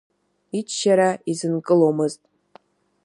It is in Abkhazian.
Иччара изынкыломызт.